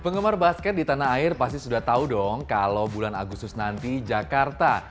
penggemar basket di tanah air pasti sudah tahu dong kalau bulan agustus nanti jakarta